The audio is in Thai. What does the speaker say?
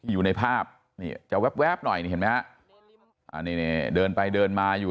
อยู่ในภาพนี่จะแว๊บหน่อยนี่เห็นไหมฮะอ่านี่เดินไปเดินมาอยู่